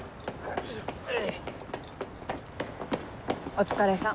お疲れさん